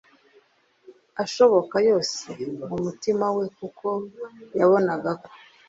ashoboka yose mumutima we kuko yabonaga ko